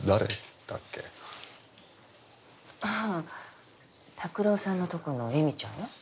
ああ拓郎さんのとこのエミちゃんよ。